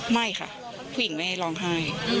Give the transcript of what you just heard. ไม่ค่ะผู้หญิงไม่ให้ธุระวงไข้